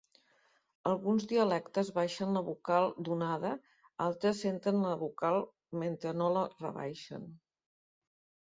Alguns dialectes baixen la vocal donada, altres centren la vocal mentre no la rebaixen.